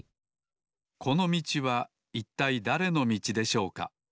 このみちはいったいだれのみちでしょうか？